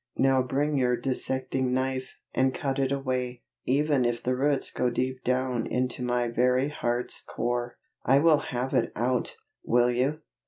Now bring your dissecting knife, and cut it away, even if the roots go deep down into my very heart's core. I will have it out." Will you?